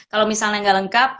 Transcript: kalau misalnya gak lengkap